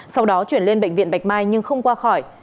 sau đó chuyển lên bệnh viện bạch mai nhưng không qua khỏi